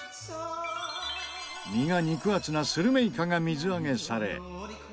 身が肉厚なスルメイカが水揚げされ。